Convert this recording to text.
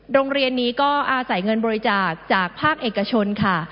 โรงเรียนนี้ก็อาศัยเงินบริจาคจากภาคเอกชนค่ะ